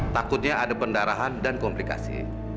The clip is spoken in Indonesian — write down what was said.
takutnya ada pendarahan dan komplikasi